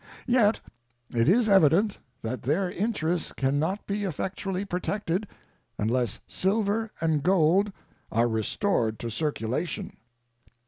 Yet it is evident that their interests can not be effectually protected unless silver and gold are restored to circulation.